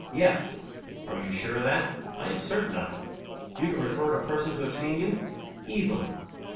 "Yes." "Are you sure of that?" "I am certain of it." "You can refer to persons who have seen you?" "Easily."